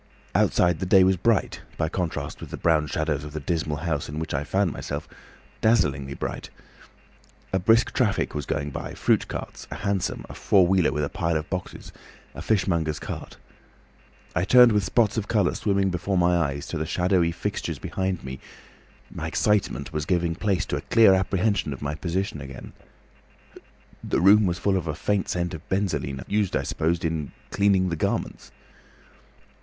Outside the day was bright—by contrast with the brown shadows of the dismal house in which I found myself, dazzlingly bright. A brisk traffic was going by, fruit carts, a hansom, a four wheeler with a pile of boxes, a fishmonger's cart. I turned with spots of colour swimming before my eyes to the shadowy fixtures behind me. My excitement was giving place to a clear apprehension of my position again. The room was full of a faint scent of benzoline, used, I suppose, in cleaning the garments.